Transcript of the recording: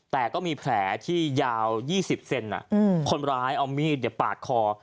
แต่ก็มีแผลที่ยาว๒๐เซนคนร้ายเอามีดปาดคอ